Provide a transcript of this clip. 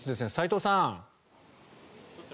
齋藤さん。